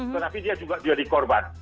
tetapi dia juga sudah dikorban